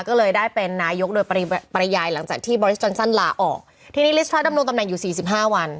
ก็เลยได้เป็นนายกโดยปริยายหลังจากที่บริสจอนซันลาออกทีนี้ลิสทรัสดำรงตำแหนอยู่สี่สิบห้าวัน